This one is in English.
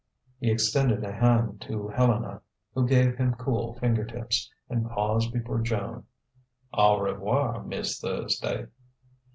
He extended a hand to Helena who gave him cool fingertips and paused before Joan. "Au revoir, Miss Thursday...."